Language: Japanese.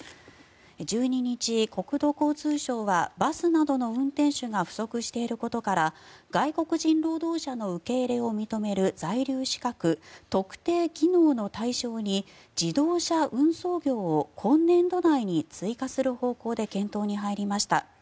１２日、国土交通省はバスなどの運転手が不足していることから外国人労働者の受け入れを認める在留資格、特定技能の対象に自動車運送業を今年度内に追加する方向で検討に入りました。